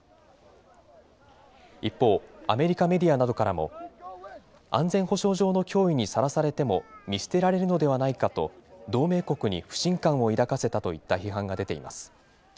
一方、アメリカメディアなどからも、安全保障上の脅威にさらされても、見捨てられるのではないかと、同盟国に不信感を抱かせたといった批判が出ています。